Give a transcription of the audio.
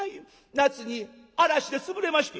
夏に嵐で潰れまして」。